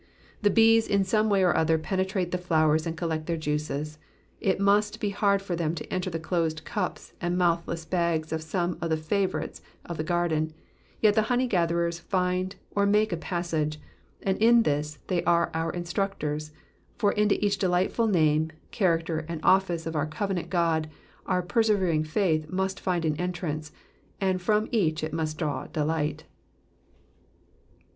The bees in some way or other penetrate the flowers and collect their juices ; it must be hard for them to enter the closed cups and mouthless bags of some of the favourites of the garden, yet the honey gatherers find or make a passage ; and in this they are our instructors, for into each delightful name, character, and ofiice of our covenant God our persevering faith must find an entrance, and from each it must draw delight.